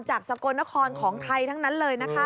สกลนครของไทยทั้งนั้นเลยนะคะ